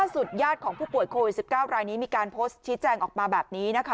สุดญาติของผู้ป่วยโควิด๑๙รายนี้มีการโพสต์ชี้แจงออกมาแบบนี้นะคะ